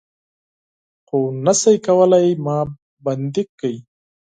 خو نه شئ کولای ما بندۍ کړي